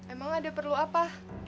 emang ada perlu apa